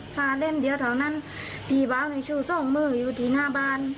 เล่มเดียวเท่านั้นพี่เบาในชูสองมืออยู่ที่หน้าบ้าน